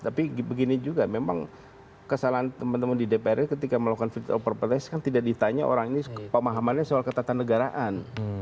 tapi begini juga memang kesalahan teman teman di dpr ketika melakukan virtual protest kan tidak ditanya orang ini pemahamannya soal ketatan negaraan